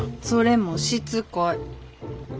それもしつこい。